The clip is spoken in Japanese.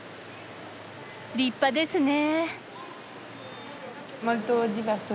立派ですね。